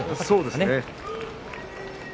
そうですね。